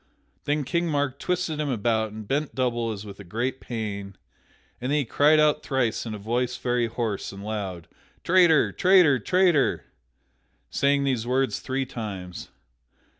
Then King Mark twisted him about and bent double as with a great pain, and then he cried out thrice in a voice very hoarse and loud: "Traitor! Traitor! Traitor!" Saying those words three times.